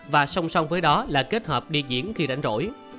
và song song với đó là kết hợp đi diễn khi đánh rỗi